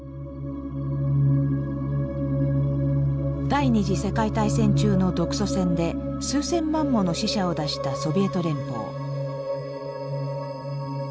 第２次世界大戦中の独ソ戦で数千万もの死者を出したソビエト連邦。